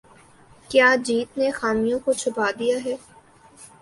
کیا جیت نے خامیوں کو چھپا دیا ہے